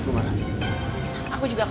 mencari sekar secepatnya